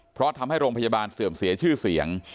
เพราะทำให้โรงพยาบาลเสื่อมเสียชื่อเสียง